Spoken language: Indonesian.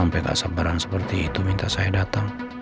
sampai tak sebaran seperti itu minta saya datang